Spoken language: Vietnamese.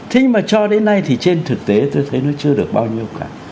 thế mà cho đến nay thì trên thực tế tôi thấy nó chưa được bao nhiêu cả